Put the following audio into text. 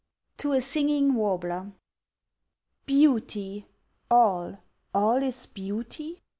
TO A SINGING WARBLER "Beauty! all all is beauty?"